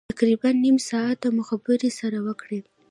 تقریبا نیم ساعت مو خبرې سره وکړې.